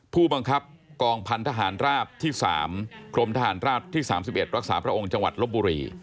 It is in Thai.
ผู้บังคับกองพันธหารราบที่๓กรมทหารราบที่๓๑รักษาพระองค์จังหวัดลบบุรี